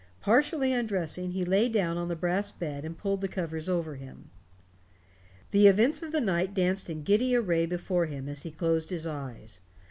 Partially undressing, he lay down on the brass bed and pulled the covers over him. The events of the night danced in giddy array before him as he closed his eyes.